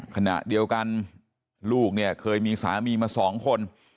ขณะเดียวกันลูกเนี่ยเคยมีสามีมา๒คน